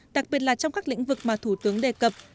đặc biệt là trong các lĩnh vực mà thủ tướng đề cập